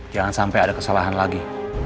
jangan sampai ada kesalahan lagi